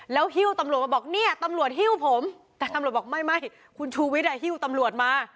แล้วหิ้วตำรวจมาบอกเนี่ยตำรวจหิ้วผมแต่ตำรวจบอกไม่คุณชูวิทย์หิ้วตำรวจมา